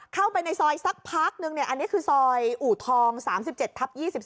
เข้าไปในซอยสักพักหนึ่งซอยอุทอง๓๗ทัพ๒๒